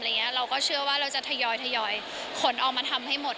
เราก็เชื่อว่าเราจะทยอยขนออกมาทำให้หมด